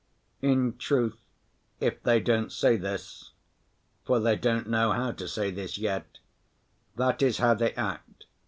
In truth if they don't say this (for they don't know how to say this yet), that is how they act.